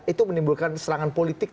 itu menimbulkan serangan politik